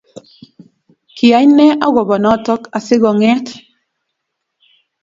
kiyai nee agoba noto asigongeet